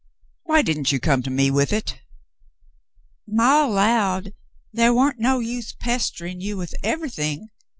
"Why didn't you come to me with it.f^" "Maw 'lowed the' wa'n't no use pesterin' you with eve'ything.